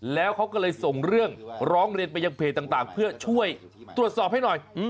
แล้วเขาก็เลยส่งเรื่องร้องเรียนไปยังเพจต่างเพื่อช่วยตรวจสอบให้หน่อย